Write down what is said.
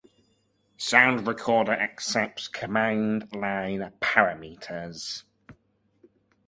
Sound Recorder accepts command-line parameters.